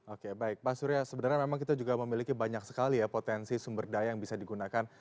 oke baik pak surya sebenarnya memang kita juga memiliki banyak sekali ya potensi sumber daya yang bisa digunakan